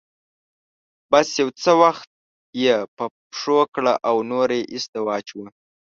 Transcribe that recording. بس يو څه وخت يې په پښو کړه او نور يې ايسته واچوه.